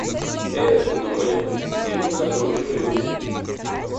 Эх, думали мы, дерутся хорошие люди.